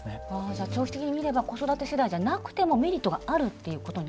じゃあ長期的に見れば子育て世代じゃなくてもメリットがあるっていうことになるわけですね。